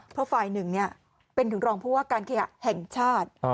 เพราะฝ่ายหนึ่งเนี่ยเป็นถึงรองพวกว่าการเคลียร์แห่งชาติ